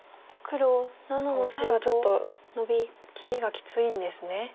オサエはちょっと切りがきついんですね。